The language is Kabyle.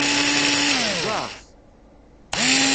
Ẓẓɛeɣ-t.